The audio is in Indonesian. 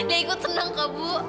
ya ikut senang ke bu